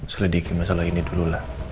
selidiki masalah ini dululah